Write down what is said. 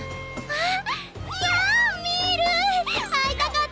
あっ！